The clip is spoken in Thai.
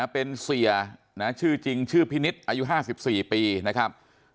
เป็นเสียชื่อจริงชื่อพินิษฐ์อายุ๕๔ปีนะครับ